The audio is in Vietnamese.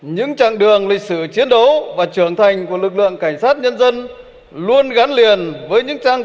những chặng đường lịch sử chiến đấu và trưởng thành của lực lượng cảnh sát nhân dân luôn gắn liền với những trang